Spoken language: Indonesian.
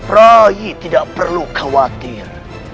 rai tidak perlu khawatir